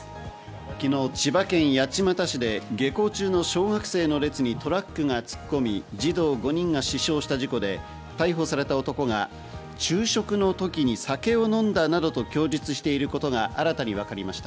昨日、千葉県八街市で下校中の小学生の列にトラックが突っ込み、児童５人が死傷した事故で逮捕された男が昼食のときに酒を飲んだなどと供述していることが新たにわかりました。